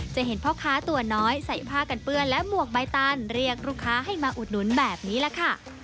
จะเห็นพ่อค้าตัวน้อยใส่ผ้ากันเปื้อนและหมวกใบตันเรียกลูกค้าให้มาอุดหนุนแบบนี้แหละค่ะ